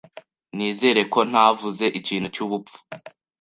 Nizere ko ntavuze ikintu cyubupfu.